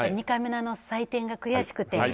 ２回目の採点が悔しくて。